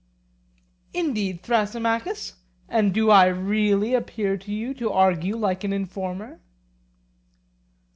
Indeed, Thrasymachus, and do I really appear to you to argue like an informer?